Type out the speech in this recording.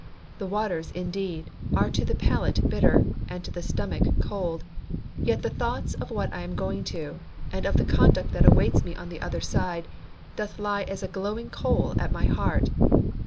The waters, indeed, are to the palate bitter, and to the stomach cold; yet the thoughts of what I am going to, and of the conduct that awaits me on the other side, doth lie as a glowing coal at my heart.